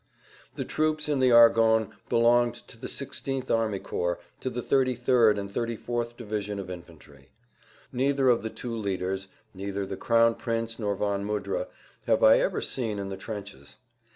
The troops in the Argonnes belonged to the 16th Army Corps, to the 33rd and 34th division of infantry. Neither of the two leaders, neither the Crown Prince nor von Mudra, have I ever seen in the trenches.